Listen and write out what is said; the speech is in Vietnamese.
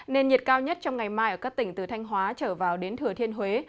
nền nhiệt cao nhất trong ngày mai ở các tỉnh từ thanh hóa trở vào đến thừa thiên huế